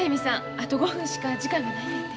あと５分しか時間がないんやて。